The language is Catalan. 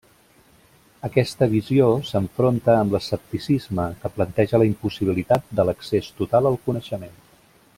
Aquesta visió s'enfronta amb l'escepticisme, que planteja la impossibilitat de l'accés total al coneixement.